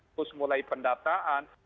fokus mulai pendataan